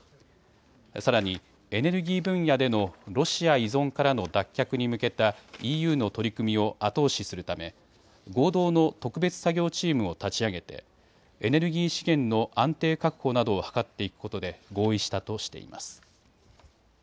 さらにエネルギー分野でのロシア依存からの脱却に向けたＥＵの取り組みを後押しするため合同の特別作業チームを立ち上げてエネルギー資源の安定確保などを図っていくことで合意したとしています。